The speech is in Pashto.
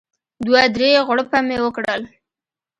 دوه درې غوړپه مې وکړل.